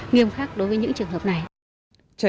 nghiêm khắc đối với những trường hợp này